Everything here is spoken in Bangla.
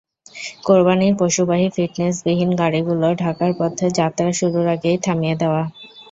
কোরবানির পশুবাহী ফিটনেসবিহীন গাড়িগুলো ঢাকার পথে যাত্রা শুরুর আগেই থামিয়ে দেওয়া।